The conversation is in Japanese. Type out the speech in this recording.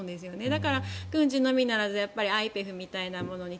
だから軍事のみならずＩＰＥＦみたいなものに